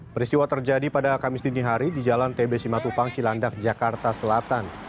peristiwa terjadi pada kamis dini hari di jalan tb simatupang cilandak jakarta selatan